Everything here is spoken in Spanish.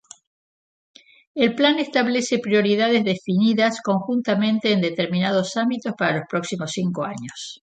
El plan establece "prioridades definidas conjuntamente en determinados ámbitos para los próximos cinco años".